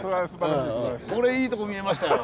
これいいとこ見えましたよ。